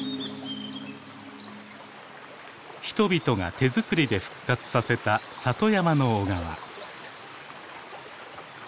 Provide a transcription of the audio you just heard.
人々が手づくりで復活させた里山の小川。